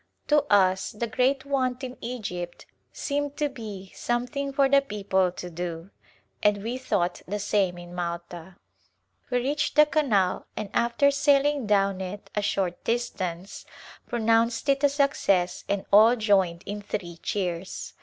To us the great want in Egypt seemed to be some thing for the people to do, and we thought the same in Malta. We reached the canal and after sailing down it a short distance pronounced it a success and all joined in three cheers.